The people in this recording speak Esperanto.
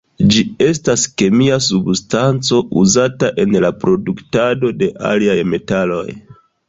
Ĝi estas kemia substanco uzata en la produktado de aliaj metaloj.